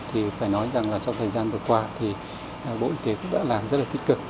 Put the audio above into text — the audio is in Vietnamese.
thì phải nói rằng trong thời gian vừa qua bộ y tế cũng đã làm rất tích cực